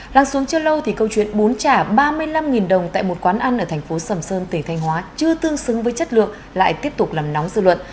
đang xuống chưa lâu thì câu chuyện bún trả ba mươi năm đồng tại một quán ăn ở thành phố sầm sơn tỉnh thanh hóa chưa tương xứng với chất lượng lại tiếp tục làm nóng dư luận